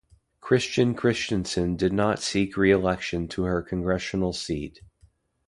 Christian-Christensen did not seek re-election to her congressional seat.